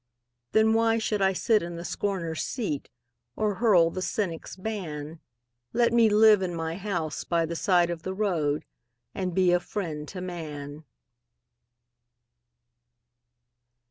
Then why should I sit in the scorner's seat, Or hurl the cynic's ban? Let me live in my house by the side of the road And be a friend to man.